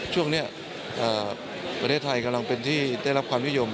ช่วงนี้ประเทศไทยกำลังเป็นที่ได้รับความนิยม